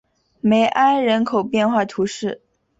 梅埃人口变化图示